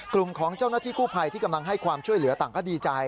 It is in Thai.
กลุ่มของเจ้าหน้าที่กู้ภัยที่กำลังให้ความช่วยเหลือต่างก็ดีใจ